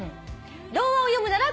「童話を読むなら」